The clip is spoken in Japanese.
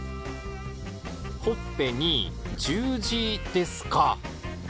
ほっぺに十字ですか？